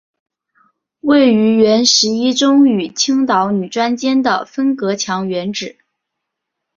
位于原十一中与青岛女专间的分隔墙原址。